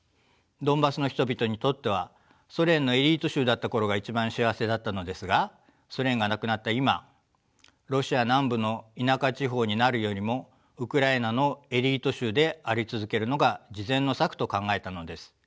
ドンバスの人々にとってはソ連のエリート州だった頃が一番幸せだったのですがソ連がなくなった今ロシア南部の田舎地方になるよりもウクライナのエリート州であり続けるのが次善の策と考えたのです。